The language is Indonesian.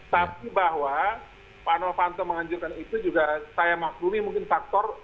tapi bahwa pak novanto menganjurkan itu juga saya maklumi mungkin faktor